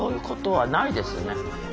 はい。